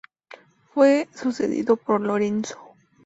Fue sucedido por Lorenzo.